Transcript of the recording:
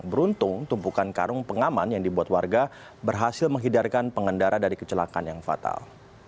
beruntung tumpukan karung pengaman yang dibuat warga berhasil menghidarkan pengendara dari kecelakaan yang fatal